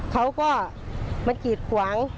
เขาก็มันกิดหวัง